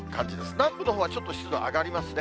南部のほうはちょっと湿度上がりますね。